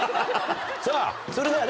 さぁそれではね